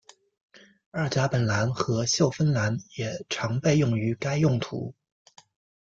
二甲苯蓝和溴酚蓝也常被用于该用途。